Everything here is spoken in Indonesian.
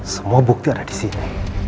semua bukti ada disini